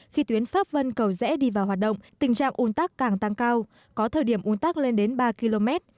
khi tuyến pháp vân cầu rẽ đi vào hoạt động tình trạng un tắc càng tăng cao có thời điểm un tắc lên đến ba km